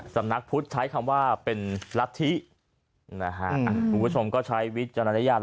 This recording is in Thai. สำนักพุทธใช้คำว่าเป็นรัฐธินะฮะคุณผู้ชมก็ใช้วิจารณญาณ